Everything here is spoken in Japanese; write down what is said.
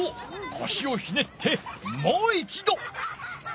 こしをひねってもう一ど！